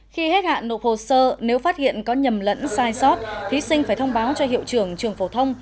khi hết hạn nộp hồ sơ nếu phát hiện có nhầm lẫn sai sót thí sinh phải thông báo cho hiệu trưởng trường phổ thông